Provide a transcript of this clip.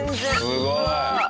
すごい！